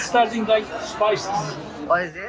mari kita mulai dengan spice bazaar